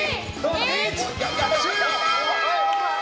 終了！